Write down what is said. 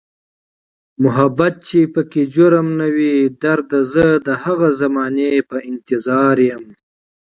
محبت چې پکې جرم نه وي درده، زه د هغې زمانې په انتظاریم